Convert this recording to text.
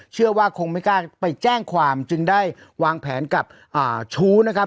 เชื่อว่าคงไม่กล้าไปแจ้งความจึงได้วางแผนกับชู้นะครับ